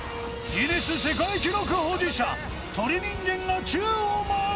ギネス世界記録保持者鳥人間が宙を舞う！